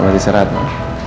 kamar diserah ma